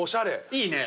いいね。